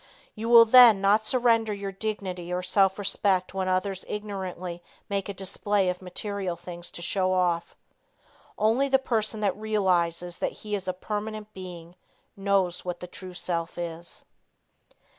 You will then not surrender your dignity or self respect, when others ignorantly make a display of material things to show off. Only the person that realizes that he is a permanent Being knows what the true self is.